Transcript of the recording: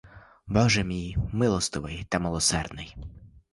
Боже мій милостивий та милосердний!